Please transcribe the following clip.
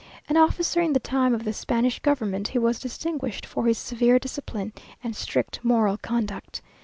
An officer in the time of the Spanish government, he was distinguished for his severe discipline and strict moral conduct.